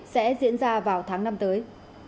sẽ diễn ra vào tháng năm tới